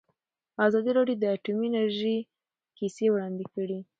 ازادي راډیو د اټومي انرژي کیسې وړاندې کړي.